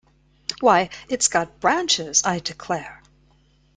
Why, it’s got branches, I declare!